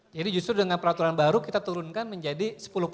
jadi justru dengan peraturan baru kita turunkan menjadi